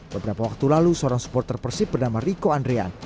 beberapa waktu lalu seorang supporter persib bernama riko andrean